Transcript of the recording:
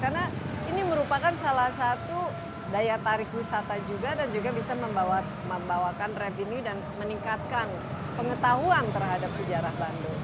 karena ini merupakan salah satu daya tarik wisata juga dan juga bisa membawakan revenue dan meningkatkan pengetahuan terhadap sejarah bandung